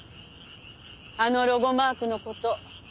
あのロゴマークの事。